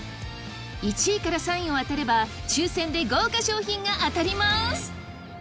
１位から３位を当てれば抽せんで豪華賞品が当たります！